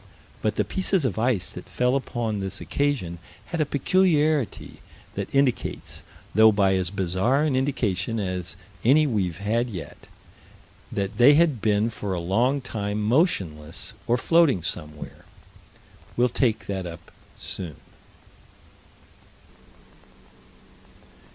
But the pieces of ice that fell upon this occasion had a peculiarity that indicates though by as bizarre an indication as any we've had yet that they had been for a long time motionless or floating somewhere. We'll take that up soon.